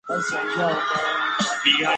斯渥克尔王朝的瑞典国王。